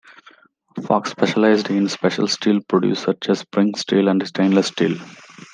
Fox's specialised in special steel produce such as spring steel and stainless steels.